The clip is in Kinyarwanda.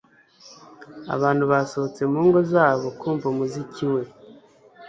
abantu basohotse mu ngo zabo kumva umuziki we